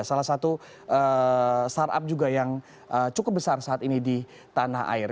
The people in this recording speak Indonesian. salah satu startup juga yang cukup besar saat ini di tanah air